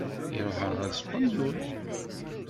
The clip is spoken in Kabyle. Iṛuḥ ɣer Spenyul.